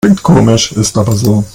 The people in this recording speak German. Klingt komisch, ist aber so.